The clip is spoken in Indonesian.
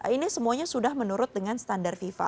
ini semuanya sudah menurut dengan standar fifa